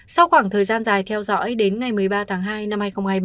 sau khoảng thời gian dài theo dõi đến ngày một mươi ba tháng hai năm hai nghìn hai mươi ba